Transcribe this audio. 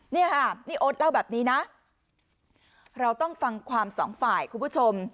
นี่ค่ะนี่โอ๊ตเล่าแบบนี้นะเราต้องฟังความสองฝ่ายคุณผู้ชม